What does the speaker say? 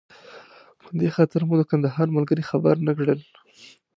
په دې خاطر مو د کندهار ملګري خبر نه کړل.